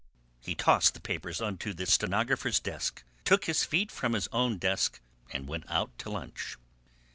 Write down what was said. He tossed the papers on to the stenographer's desk, took his feet from his own desk and went out to lunch.